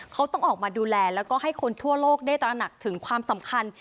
เขาต้องออกมาดูแลแล้วก็ให้คนทั่วโลกได้ตระหนักถึงความสำคัญ